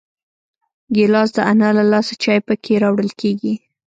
ګیلاس د انا له لاسه چای پکې راوړل کېږي.